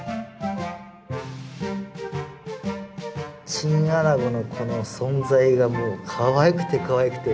チンアナゴの存在がもうかわいくてかわいくて。